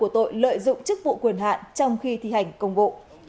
tội lợi dụng chức vụ quyền hạn trong khi thi hành công vụ